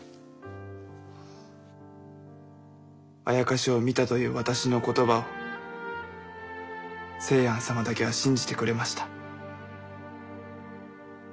妖かしを見たという私の言葉を清庵様だけは信じてくれました。